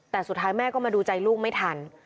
แต่สุดท้ายแม่ก็มาดูใจลูกไม่ทัน